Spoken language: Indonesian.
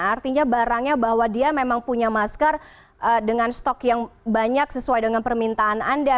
artinya barangnya bahwa dia memang punya masker dengan stok yang banyak sesuai dengan permintaan anda